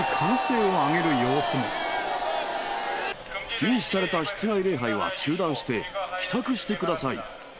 禁止された室外礼拝は中断して、帰宅してください。